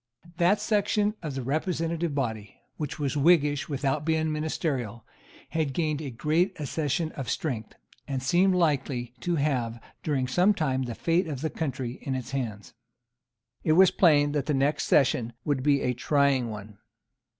That section of the representative body which was Whiggish without being ministerial had gamed a great accession of strength, and seemed likely to have, during some time, the fate of the country in its hands. It was plain that the next session would be a trying one.